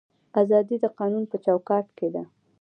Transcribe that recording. ازادي د قانون په چوکاټ کې ده